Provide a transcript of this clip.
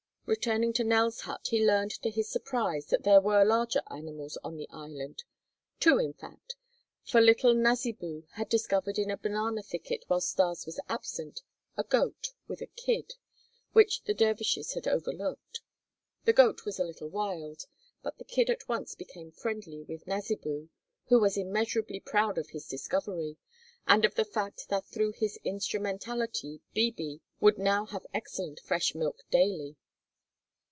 Returning to Nell's hut he learned to his surprise that there were larger animals on the "island"; two, in fact, for little Nasibu had discovered in a banana thicket while Stas was absent a goat with a kid, which the dervishes had overlooked. The goat was a little wild, but the kid at once became friendly with Nasibu, who was immeasurably proud of his discovery and of the fact that through his instrumentality "bibi" would now have excellent fresh milk daily.